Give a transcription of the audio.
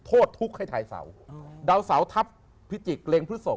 โทษทุกข์ให้ทายเสาดาวเสาทัพพิจิกเล็งพฤศพ